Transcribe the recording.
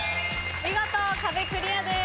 見事壁クリアです。